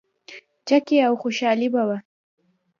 چکې او خوشحالي به وه.